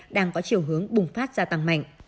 đang có chiều hướng bùng phát gia tăng mạnh